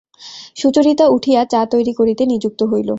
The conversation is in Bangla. সুচরিতা উঠিয়া চা তৈরি করিতে নিযুক্ত হইল।